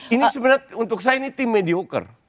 ini sebenarnya untuk saya ini tim medioker